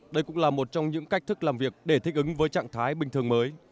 đây cũng là một trong những cách thức làm việc để thích ứng với trạng thái bình thường mới